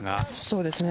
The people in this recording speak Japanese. そうですね。